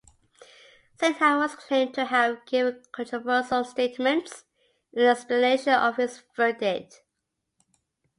Sinha was claimed to have given controversial statements in the explanation of his verdict.